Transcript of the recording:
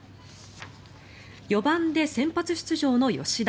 ４番で先発出場の吉田。